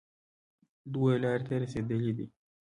دوه لارې ته رسېدلی دی